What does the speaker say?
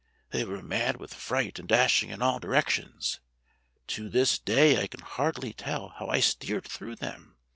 They were mad with fright and dashing in all directions. To this day I can hardly tell how I steered through them.